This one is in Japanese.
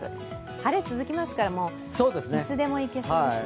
晴れ、続きますから、いつでもいけそうですね。